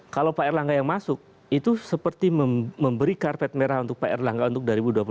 kalau pak erlangga yang masuk itu seperti memberi karpet merah untuk pak erlangga untuk dua ribu dua puluh empat